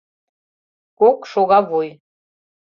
КОК ШОГАВУЙ